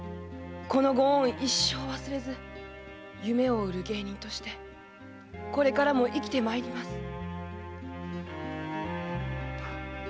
このご恩は一生忘れず夢を売る芸人としてこれからも生きてまいります。